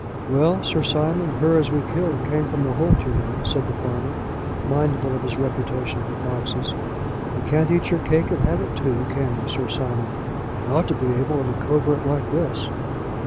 "Well, Sir Simon, her as we killed came from the holt, you know," said the farmer, mindful of his reputation for foxes. "You can't eat your cake and have it too, can you, Sir Simon?" "Ought to be able in a covert like this."